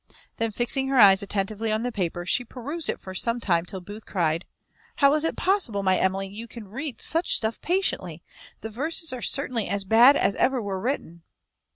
Then, fixing her eyes attentively on the paper, she perused it for some time, till Booth cried, "How is it possible, my Emily, you can read such stuff patiently? the verses are certainly as bad as ever were written."